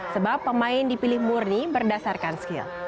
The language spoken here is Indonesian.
sebab pemain dipilih murni berdasarkan skill